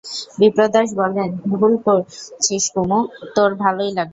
বিপ্রদাস বললে, ভুল বলছিস কুমু, তোর ভালোই লাগবে।